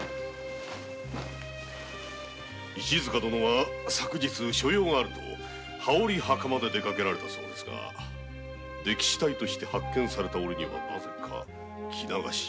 石塚殿は昨日所用があると羽織袴で出かけたそうですが溺死体として発見された折にはなぜか「着流し」。